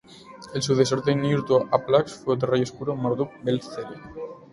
El sucesor de Ninurta-apla-X fue otro rey oscuro, Marduk-bel-zeri.